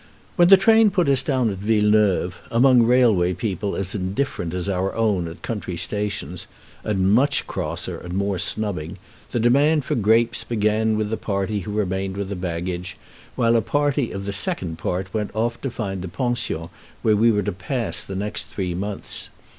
When the train put us down at Villeneuve, among railway people as indifferent as our own at country stations, and much crosser and more snubbing, the demand for grapes began with the party who remained with the baggage, while a party of the second part went off to find the pension where we were to pass the next three months.